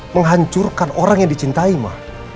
menghancurkan orang yang dicintai mah